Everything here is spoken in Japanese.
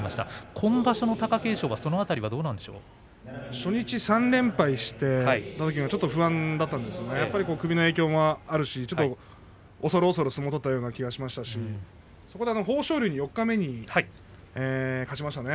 今場所の貴景勝は、その辺りは初日から３連敗したときはちょっと不安だったんですが、首の影響もあるし恐る恐る相撲を取っているような気がしましたし豊昇龍に四日目に勝ちましたね。